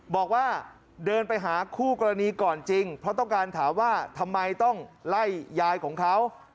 บอกว่าเดินไปหาคู่กรณีก่อนจริงเพราะต้องการถามว่าทำไมต้องไล่ยายของเขา